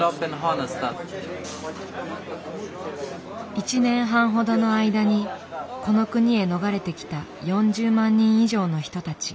１年半ほどの間にこの国へ逃れてきた４０万人以上の人たち。